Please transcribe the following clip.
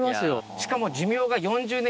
しかも。